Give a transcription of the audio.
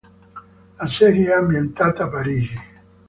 La serie è ambientata a Parigi.